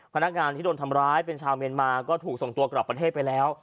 พนักงานที่โดนทำร้ายเป็นชาวเมียนมาก็ถูกส่งตัวกลับประเทศไปแล้ว